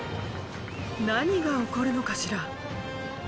何が起こるのかしら？